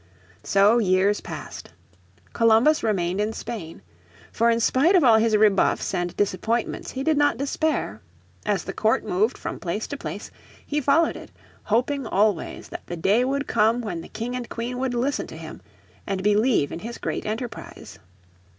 So years passed. Columbus remained in Spain. For in spite of all his rebuffs and disappointments he did not despair. As the court moved from place to place he followed it, hoping always that the day would come when the King and Queen would listen to him, and believe in his great enterprise.